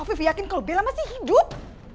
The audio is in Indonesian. apa afif yakin kalo bella masih hidup